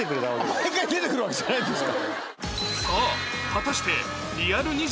毎回出てくるわけじゃないんですか？